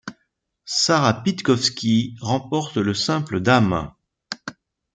Sarah Pitkowski remporte le simple dames.